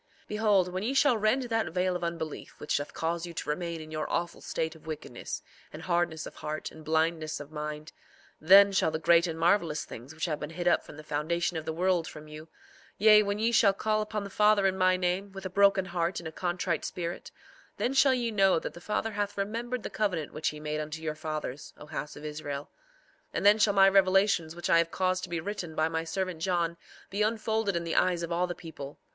4:15 Behold, when ye shall rend that veil of unbelief which doth cause you to remain in your awful state of wickedness, and hardness of heart, and blindness of mind, then shall the great and marvelous things which have been hid up from the foundation of the world from you—yea, when ye shall call upon the Father in my name, with a broken heart and a contrite spirit, then shall ye know that the Father hath remembered the covenant which he made unto your fathers, O house of Israel. 4:16 And then shall my revelations which I have caused to be written by my servant John be unfolded in the eyes of all the people.